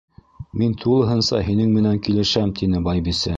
— Мин тулыһынса һинең менән килешәм, —тине Байбисә.